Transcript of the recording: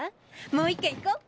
もう１軒行こう！